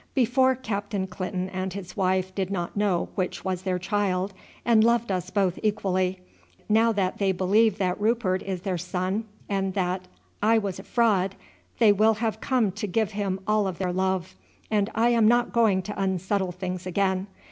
Before, Captain Clinton and his wife did not know which was their child and loved us both equally, now that they believe that Rupert is their son and that I was a fraud, they will have come to give him all their love, and I am not going to unsettle things again.